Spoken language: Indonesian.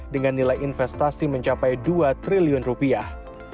dengan nilai investasi mencapai dua triliun rupiah